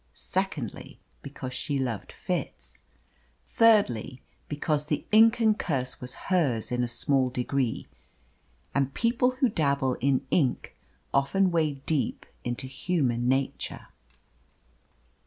Secondly, because she loved Fitz. Thirdly, because the inken curse was hers in a small degree, and people who dabble in ink often wade deep into human nature.